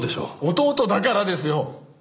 弟だからですよ！